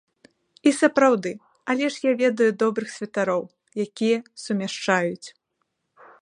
І сапраўды, але ж я ведаю добрых святароў, якія сумяшчаюць.